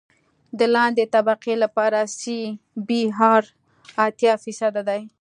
د لاندنۍ طبقې لپاره سی بي ار اتیا فیصده دی